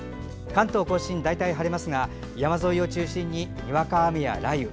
関東・甲信、大体晴れますが山沿いを中心ににわか雨や雷雨。